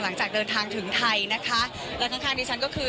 หลังจากเดินทางถึงไทยนะคะแล้วข้างข้างที่ฉันก็คือ